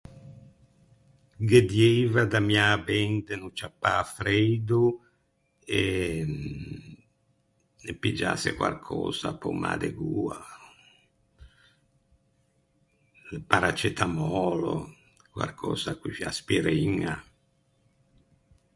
Ghe dieiva d’ammiâ ben de no ciappâ freido, e de piggiâse quarcösa pe-o mâ de goa: paracetamolo, quarcösa coscì, aspiriña.